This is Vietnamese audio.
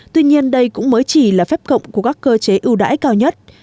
tuy nhiên đây cũng mới chỉ là phép cộng của các cơ chế ưu đãi cao nhất